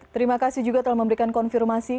terima kasih juga telah memberikan konfirmasi